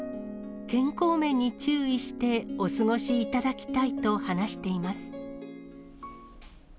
健康面に注意して、お過ごしいただきたいと話しています。